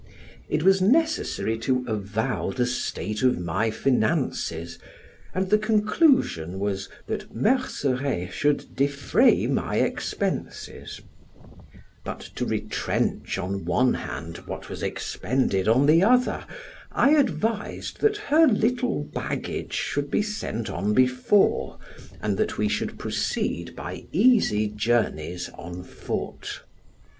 It was necessary to avow the state of my finances, and the conclusion was, that Merceret should defray my expenses; but to retrench on one hand what was expended on the other, I advised that her little baggage should be sent on before, and that we should proceed by easy journeys on foot.